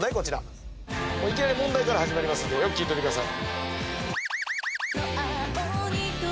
いきなり問題から始まりますのでよく聴いといてください。